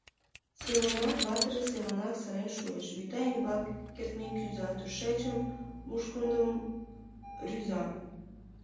Семонат ватыж семынак сырен шуэш, вӱта ӱмбак кыртмен кӱза, тушечын мушкындым рӱза: